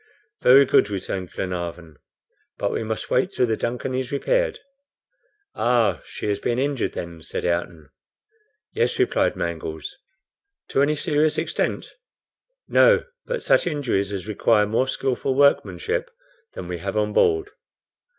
"Very good," returned Glenarvan; "but we must wait till the DUNCAN is repaired." "Ah, she has been injured then?" said Ayrton. "Yes," replied Mangles. "To any serious extent?" "No; but such injuries as require more skilful workmanship than we have on board.